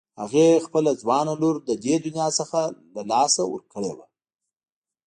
هغې خپله ځوانه لور له دې دنيا څخه له لاسه ورکړې وه.